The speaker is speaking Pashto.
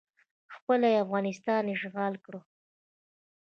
خپله یې افغانستان اشغال کړ